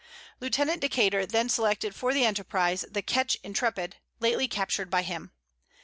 Lieutenant Decater then selected for the enterprise the ketch Intrepid, lately captured by him.